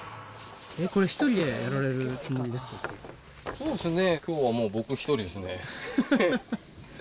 そうですね。